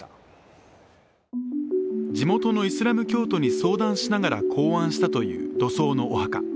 地元のイスラム教徒に相談しながら考案したという土葬のお墓。